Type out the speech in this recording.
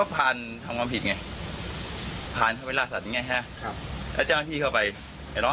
หนีทำไมครับ